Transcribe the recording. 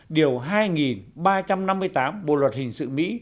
điều hai ba trăm năm mươi tám bộ luật hình sự mỹ